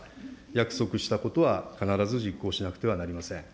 約束したことは必ず実行しなくてはなりません。